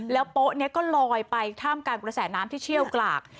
โป๊ะนี้ก็ลอยไปท่ามกลางกระแสน้ำที่เชี่ยวกลาก